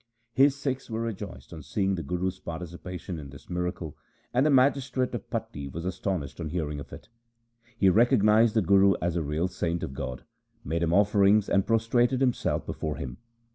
His Sikhs were rejoiced on seeing the Guru's participation in this miracle, and the magistrate of Patti was astonished on hearing of it. He recognized the Guru as a real saint of God, made him offerings, and prostrated himself before him.